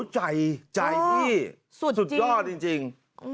ใจใจที่สุดยอดจริง